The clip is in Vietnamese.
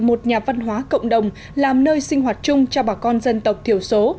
một nhà văn hóa cộng đồng làm nơi sinh hoạt chung cho bà con dân tộc thiểu số